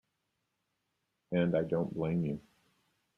And I don't blame you.